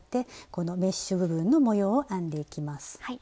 このメッシュ部分の模様を編んでいきます。